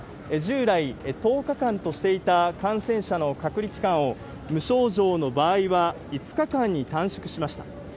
従来１０日間としていた感染者の隔離期間を、無症状の場合は５日間に短縮しました。